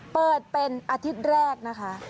เปิดเป็นอาทิตย์แรกนะคะ